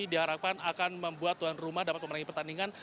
diharapkan akan membuat tuan rumah dapat memenangi pertandingan